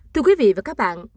thưa quý vị và các bạn